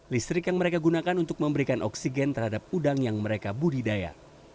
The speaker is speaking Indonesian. listrik yang mereka gunakan untuk memberikan oksigen terhadap udang yang mereka budidaya